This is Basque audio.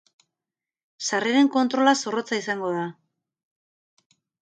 Sarreren kontrola zorrotza izango da.